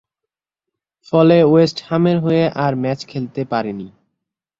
ফলে ওয়েস্ট হামের হয়ে আর ম্যাচ খেলতে পারেনি।